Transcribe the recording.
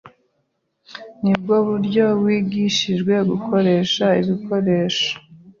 Nibwo buryo wigishijwe gukoresha ibikoresho?